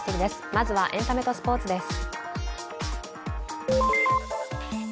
まずはエンタメとスポーツです。